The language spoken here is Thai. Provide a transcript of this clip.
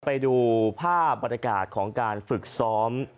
ไปดูภาพบรรยากาศของการฝึกซ้อม